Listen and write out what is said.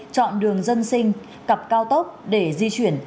chọn đường dân sinh cặp cao tốc để di chuyển